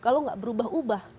kalau gak berubah ubah